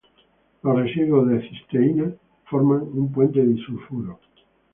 Los residuos de cisteína forman un puente disulfuro.